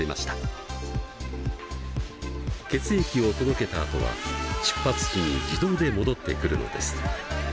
血液を届けたあとは出発地に自動で戻ってくるのです。